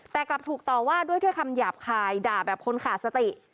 แต่กลับถูกต่อว่าด้วยคำหยาบคายด่าแบบคนขาดสติ